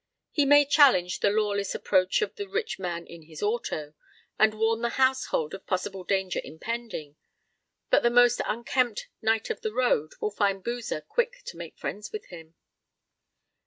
He may challenge the lawless approach of the rich man in his auto, and warn the household of possible danger impending, but the most unkempt 'knight of the road' will find Boozer quick to make friends with him."